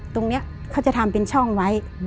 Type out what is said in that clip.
ตรงนี้เขาจะทำเป็นช่องไว้